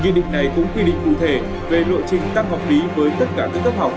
nghị định này cũng quy định cụ thể về lộ trình tăng học phí với tất cả các cấp học